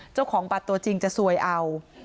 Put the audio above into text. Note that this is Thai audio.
เจ้าของบัตรตัวจริงจะซวยเอา